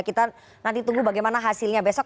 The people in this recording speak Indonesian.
kita nanti tunggu bagaimana hasilnya besok